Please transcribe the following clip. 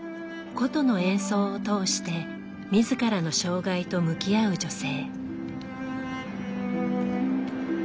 箏の演奏を通して自らの障害と向き合う女性。